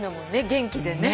元気でね。